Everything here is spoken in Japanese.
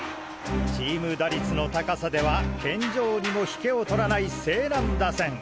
チーム打率の高さでは健丈にもヒケを取らない勢南打線！